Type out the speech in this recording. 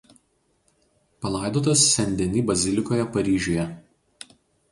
Palaidotas Sen Deni bazilikoje Paryžiuje.